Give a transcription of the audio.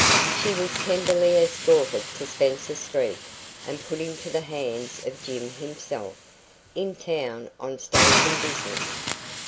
She was tenderly escorted to Spencer Street, and put into the hands of Jim himself, in town on station business.